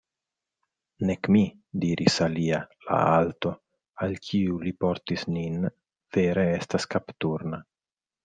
Nek mi, diris alia, la alto, al kiu li portas nin, vere estas kapturna.